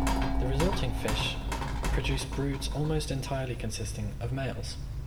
The resulting fish produce broods almost entirely consisting of males.